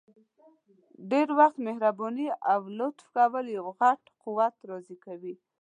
ډير وخت مهرباني او لطف کول یو غټ قوت راضي کوي!